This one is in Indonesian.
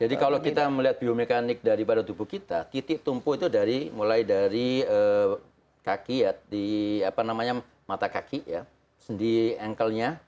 jadi kalau kita melihat biomekanik daripada tubuh kita titik tumpu itu dari mulai dari kaki ya di apa namanya mata kaki ya sendi anklenya